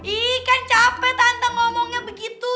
ih kan capek tantang ngomongnya begitu